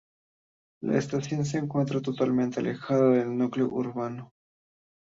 La estación se encuentra totalmente alejada del núcleo urbano.